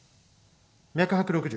脈拍６０。